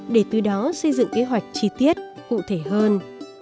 để từ đó xây dựng kế hoạch chi tiết cụ thể hơn